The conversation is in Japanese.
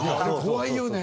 怖いよね。